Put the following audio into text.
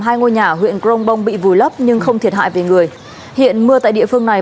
hai ngôi nhà huyện crong bông bị vùi lấp nhưng không thiệt hại về người hiện mưa tại địa phương này